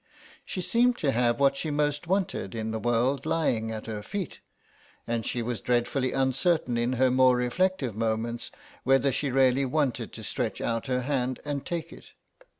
She seemed to have what she most wanted in the world lying at her feet, and she was dreadfully uncertain in her more reflective moments whether she really wanted to stretch out her hand and take it.